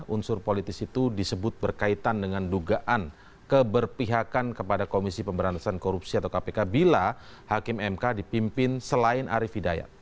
unsur politis itu disebut berkaitan dengan dugaan keberpihakan kepada komisi pemberantasan korupsi atau kpk bila hakim mk dipimpin selain arief hidayat